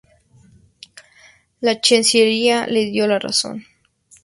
La Chancillería le dio la razón.